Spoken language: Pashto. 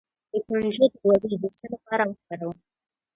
د کنجد غوړي د څه لپاره وکاروم؟